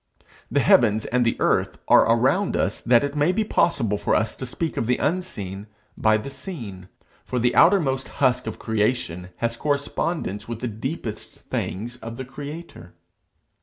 The heavens and the earth are around us that it may be possible for us to speak of the unseen by the seen; for the outermost husk of creation has correspondence with the deepest things of the Creator.